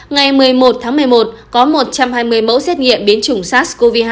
ngày một mươi một tháng một mươi một có một trăm hai mươi mẫu xét nghiệm biến chủng sars cov hai